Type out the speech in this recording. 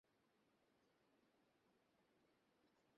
কারণ তারা চায় না, হামাস ফিলিস্তিনে শক্তিশালী পক্ষ হিসেবে প্রতিষ্ঠা পাক।